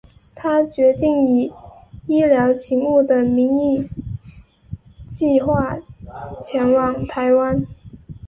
他决定以医疗勤务的名义计画前往台湾。